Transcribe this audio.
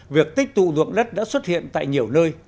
việc tích tụ ruộng đất đã xuất hiện tại nhiều nơi